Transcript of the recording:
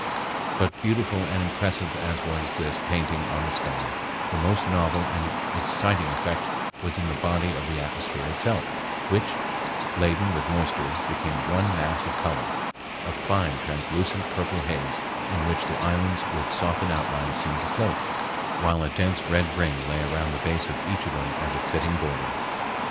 But beautiful and impressive as was this painting on the sky, the most novel and exciting effect was in the body of the atmosphere itself, which, laden with moisture, became one mass of color—a fine translucent purple haze in which the islands with softened outlines seemed to float, while a dense red ring lay around the base of each of them as a fitting border.